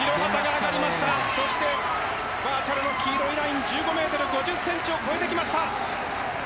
バーチャルの黄色いライン、１５ｍ５０ｃｍを越えてきました。